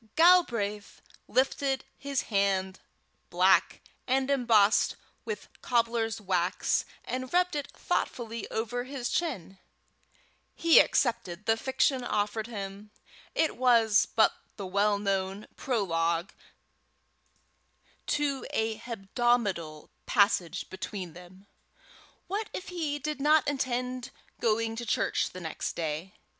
Galbraith lifted his hand, black, and embossed with cobbler's wax, and rubbed it thoughtfully over his chin: he accepted the fiction offered him; it was but the well known prologue to a hebdomadal passage between them. What if he did not intend going to church the next day?